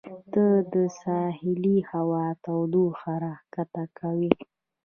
دا د ساحلي هوا تودوخه راښکته کوي.